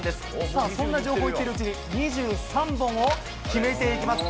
さあ、そんな情報を言ってるうちに２３本を決めていきます。